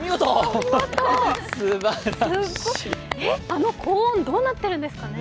あの高音どうなってるんですかね？